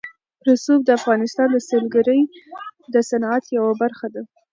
رسوب د افغانستان د سیلګرۍ د صنعت یوه برخه ده.